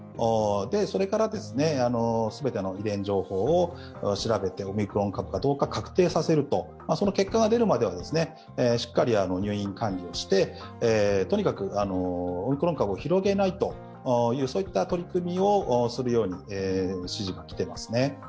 それから全ての遺伝情報を調べて、オミクロン株かどうか確定させると、その結果が出るまではしっかり入院管理をしてとにかくオミクロン株を広げないといった取り組みをするように指示が来ています。